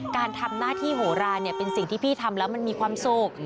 การทำหน้าที่โหราเนี่ยเป็นสิ่งที่พี่ทำแล้วมันมีความสุข